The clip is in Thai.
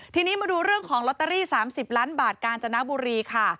ทีนี้มาดูเรื่องของลอตเตอรี่๓๐ล้านบาทกาญจนบุรีค่ะ